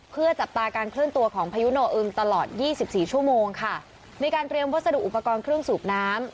เพื่อจับตาการเคลื่อนตัวของพายุโนอึมตลอดยี่สิบสี่ชั่วโมงค่ะมีการเตรียมวัสดุอุปกรณ์เครื่องสูบน้ำ